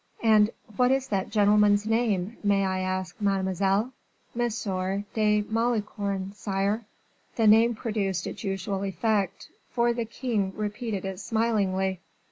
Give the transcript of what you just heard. "And what is that gentleman's name, may I ask, mademoiselle?" "M. de Malicorne, sire." The name produced its usual effect, for the king repeated it smilingly.